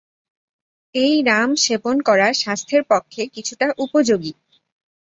এই রাম সেবন করা স্বাস্থ্যের পক্ষে কিছুটা উপযোগী।